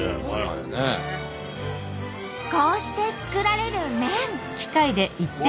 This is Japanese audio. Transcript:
こうして作られる麺。